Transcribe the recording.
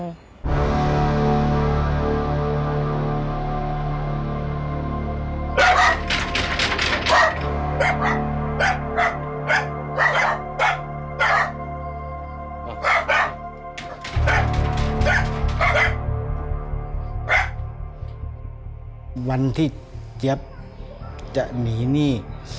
หลายวันที่เจ๊ยั๊บจะหนีหนี้